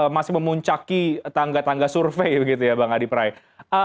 masih memuncaki tangga tangga survei begitu ya bang adi praet